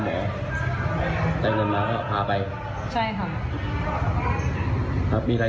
ฝากขอโทษเขานู้นออกมานู้นก็ทำให้ใช้ท้าย